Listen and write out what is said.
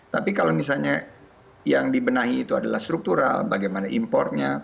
tapi kalau misalnya yang dibenahi itu adalah struktural bagaimana importnya